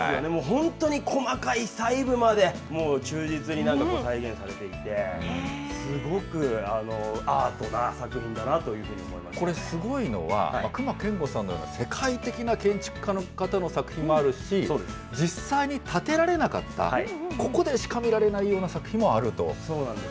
すごいですよね、もう本当に細かい細部まで、もう忠実に再現されていて、すごくアートな作品これ、すごいのは、隈研吾さんのような世界的な建築家の方の作品もあるし、実際、建てられなかった、ここでしか見られないような作品もあると。